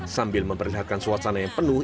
sambil memperlihatkan suasana yang penuh